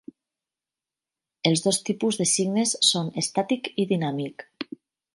Els dos tipus de signes són estàtic i dinàmic.